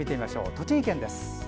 栃木県です。